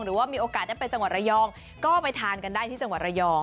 หรือว่ามีโอกาสได้ไปจังหวัดระยองก็ไปทานกันได้ที่จังหวัดระยอง